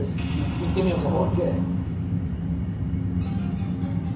行ってみようそこ。